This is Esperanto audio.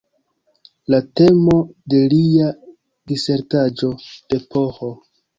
La temo de lia disertaĵo de Ph.